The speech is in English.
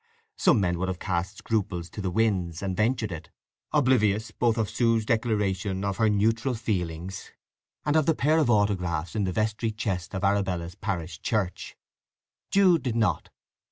Some men would have cast scruples to the winds, and ventured it, oblivious both of Sue's declaration of her neutral feelings, and of the pair of autographs in the vestry chest of Arabella's parish church. Jude did not.